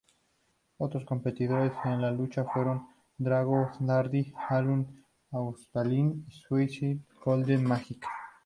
Otros competidores en la lucha fueron Drago, Darby Allin, Australian Suicide y Golden Magic.